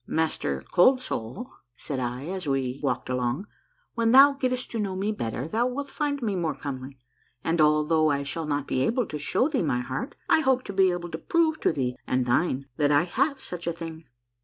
"Master Cold Soul," said I, as we walked along, " when thou gettest to know me better thou wilt find me more comely, and although I shall not be able to show thee my heart, I hope to be able to prove to thee and thine that I have such a thing."